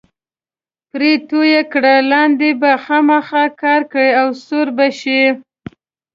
پرې توی یې کړه، لاندې به خامخا کا کړي او سوړ به شي.